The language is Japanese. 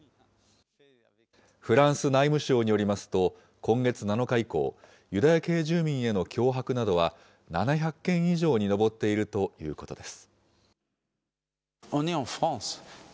フランス内務省によりますと、今月７日以降、ユダヤ系住民への脅迫などは７００件以上に上っているということです。